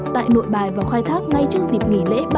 tại nội bài vào khai thác ngay trước dịp nghỉ lễ